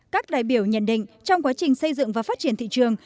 các đại biểu nhận định trong quá trình xây dựng và phát triển thị trường